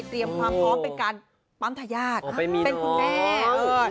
ความพร้อมเป็นการปั๊มทายาทเป็นคุณแม่